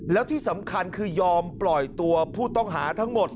แล้วที่สำคัญคือยอมปล่อยตัวผู้ต้องหาทั้งหมด